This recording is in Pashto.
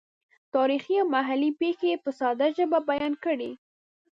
تاریخي او محلي پېښې یې په ساده ژبه بیان کړې.